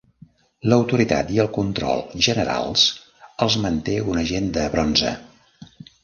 L'autoritat i el control generals els manté un agent de 'bronze'.